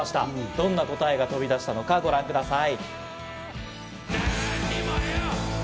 どんな答えが飛び出したのかご覧ください。